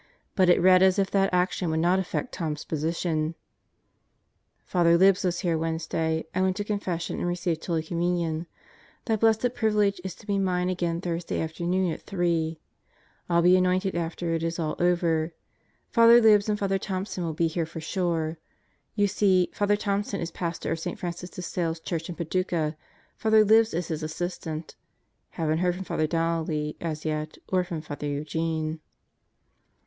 But it read as if that action would not affect Tom's position: Father Libs was here Wednesday. I went to Confession and received Holy Communion. That blessed privilege is to be mine again Thursday afternoon at 3. I'll be anointed after it is all over. Father Libs and Father Thompson will be here for sure. You see Father Thompson is Pastor of St. Francis de Sales Church in Padu cah. Father Libs is his assistant. Haven't heard from Father Donnelly as yet or from Father Eugene.